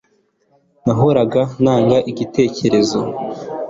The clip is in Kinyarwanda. nahoraga ntanga igitekerezo